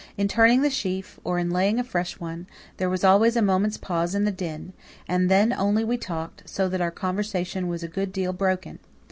In turning the sheaf, or in laying a fresh one, there was always a moment's pause in the din, and then only we talked, so that our conversation was a good deal broken.